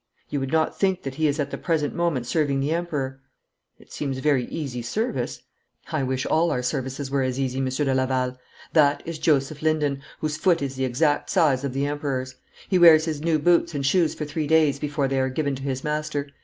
'You would not think that he is at the present moment serving the Emperor?' 'It seems a very easy service.' 'I wish all our services were as easy, Monsieur de Laval. That is Joseph Linden, whose foot is the exact size of the Emperor's. He wears his new boots and shoes for three days before they are given to his master.